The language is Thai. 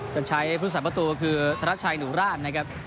กันใช้ผู้สรรพตัวตัวคือธรรภาชายหนูร่านนะครับ